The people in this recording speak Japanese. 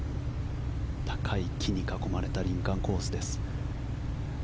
高い木に囲まれた林間コースです。